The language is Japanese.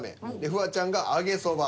フワちゃんが「揚げそば」。